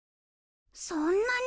そんなに！？